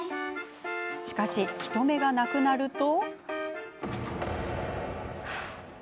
しかし、人目がなくなると。